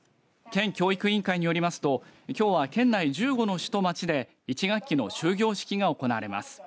県教育委員会によりますときょうは県内１５の市と町で１学期の終業式が行われます。